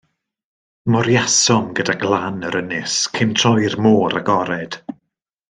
Moriasom gyda glan yr ynys, cyn troi i'r môr agored.